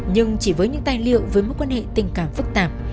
nhưng chỉ với những tài liệu với mối quan hệ tình cảm phức tạp